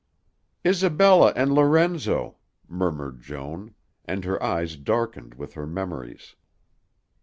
"Isabella and Lorenzo," murmured Joan, and her eyes darkened with her memories.